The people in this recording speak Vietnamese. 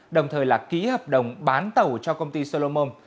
đồng thời là ký hợp đồng bán tàu cho công ty solomon